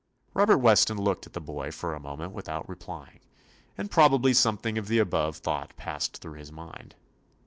Robert Weston looked at the boy for a moment without replying, and probably something of the above thought passed through his mind.